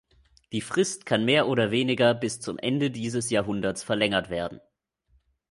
Die Frist kann mehr oder weniger bis zum Ende dieses Jahrhunderts verlängert werden.